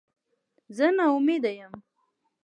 زه نا امیده یم